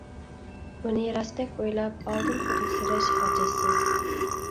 ئۇنى راستتەك ئويلاپ ئالدىن خۇدۈكسېرەش ھاجەتسىز.